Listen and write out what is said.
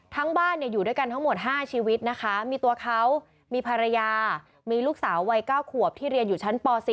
บ้านอยู่ด้วยกันทั้งหมด๕ชีวิตนะคะมีตัวเขามีภรรยามีลูกสาววัย๙ขวบที่เรียนอยู่ชั้นป๔